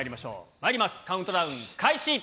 まいります、カウントダウン開始。